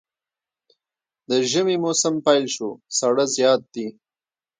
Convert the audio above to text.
د ژمي موسم پيل شو ساړه زيات دی